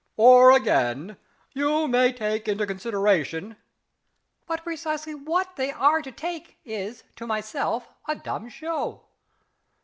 "Or again, you may take into consideration " (but precisely what they are to take is, to myself, a dumb show!).